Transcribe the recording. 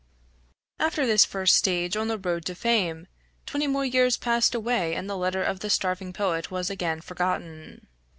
After this first stage on the road to fame, twenty more years passed away and the letter of the starving poet was again forgotten.